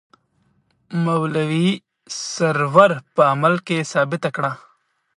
مولوي سرور په عمل کې ثابته کړه.